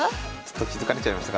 気付かれちゃいましたか？